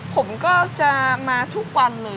ผมก็จะมาทุกวันเลย